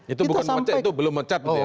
itu bukan mecat itu belum mecat